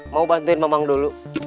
mau bantuin mamang dulu